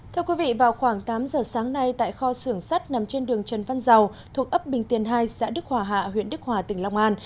thưa quý vị vào khoảng tám giờ sáng nay tại kho xưởng sắt nằm trên đường trần văn dầu thuộc ấp bình tiền hai xã đức hòa hạ huyện đức hòa tỉnh long an